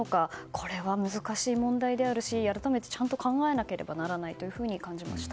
これは難しい問題であるし改めてちゃんと考えなければならないと感じました。